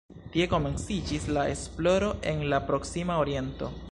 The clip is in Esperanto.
Tie komenciĝis la esploro en la Proksima Oriento.